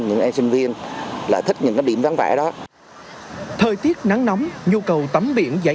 những em sinh viên là thích những điểm vắng vẻ đó thời tiết nắng nóng nhu cầu tắm biển giải